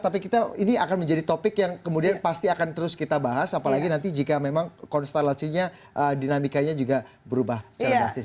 tapi kita ini akan menjadi topik yang kemudian pasti akan terus kita bahas apalagi nanti jika memang konstelasinya dinamikanya juga berubah secara drastis